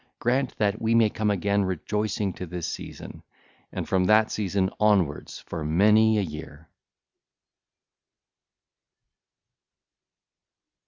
Grant that we may come again rejoicing to this season, and from that season onwards for many a year.